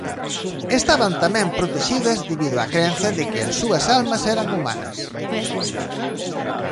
Estaban tamén protexidas debido á crenza de que as súas almas eran humanas.